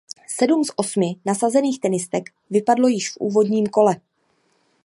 Sedm z osmi nasazených tenistek vypadlo již v úvodním kole.